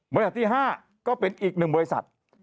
บริษัทที่๕ก็เป็นอีก๑บริษัท